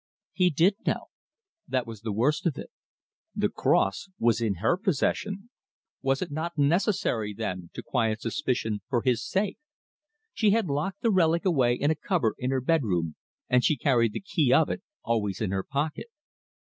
He did know. That was the worst of it. The cross was in her possession. Was it not necessary, then, to quiet suspicion for his sake? She had locked the relic away in a cupboard in her bedroom, and she carried the key of it always in her pocket.